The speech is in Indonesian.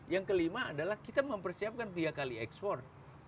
yang kelima adalah kita mempersiapkan tiga kali ekspor